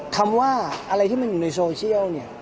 คำว่าอะไรที่มันอยู่ในโซเชียลเนี่ย